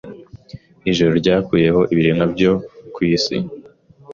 Ijoro ryakuyeho ibiremwa byo ku isi